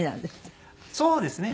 そうですね。